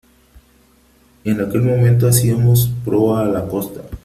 en aquel momento hacíamos proa a la costa .